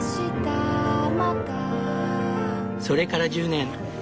それから１０年。